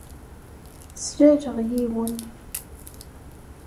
Slaleɣ yiwen.